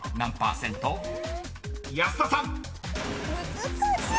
難しい！